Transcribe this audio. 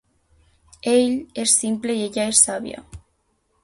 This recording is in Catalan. Ell és simple i ella es sàvia.